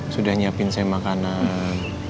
sudah nyiapin saya makanan